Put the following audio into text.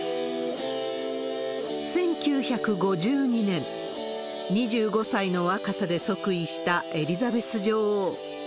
１９５２年、２５歳の若さで即位したエリザベス女王。